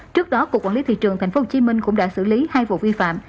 trước đó cục quản lý thị trường tp hcm cũng đã xử lý hai vụ vi phạm